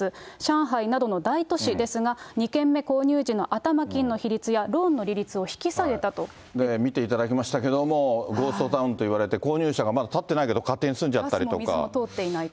上海などの大都市ですが、２軒目購入時の頭金の比率やローンの利見ていただきましたけれども、ゴーストタウンといわれて、購入者がまだ建ってないけど勝手に住ガスも水も通っていないと。